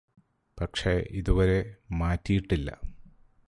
പക്ഷെ ഇതുവരെ മാറ്റിയിട്ടില്ല